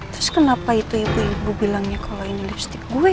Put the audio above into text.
terus kenapa itu ibu bilangnya kalau ini lipstick gue